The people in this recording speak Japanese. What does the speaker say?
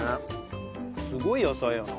すごい野菜やな。